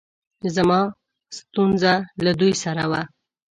زما ستونره له دوی سره وه